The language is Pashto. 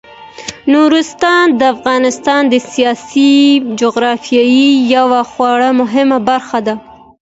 نورستان د افغانستان د سیاسي جغرافیې یوه خورا مهمه برخه ده.